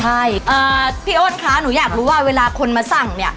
ใช่พี่โอนคะหนูอยากรู้ว่าเวลาคนมาสั่งเนี่ย